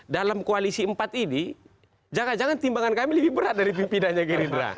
dalam koalisi empat ini jangan jangan timbangan kami lebih berat dari pimpinannya gerindra